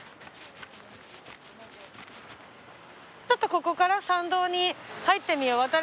ちょっとここから参道に入ってみよう。